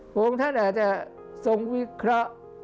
พระองค์ท่านอาจจะทรงวิเคราะห์